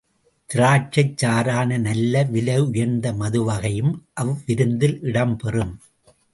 திராட்சைச் சாறான நல்ல விலையுயர்ந்த மதுவகையும் அவ்விருந்தில் இடம் பெறும்.